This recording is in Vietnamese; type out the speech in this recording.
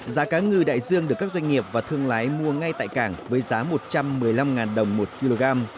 giá cá ngừ đại dương được các doanh nghiệp và thương lái mua ngay tại cảng với giá một trăm một mươi năm đồng một kg